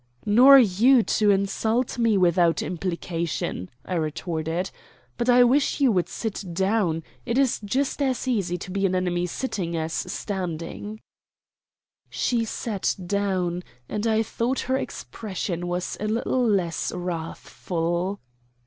"Nor you to insult me without implication," I retorted. "But I wish you would sit down. It is just as easy to be an enemy sitting as standing." She sat down, and I thought her expression was a little less wrathful.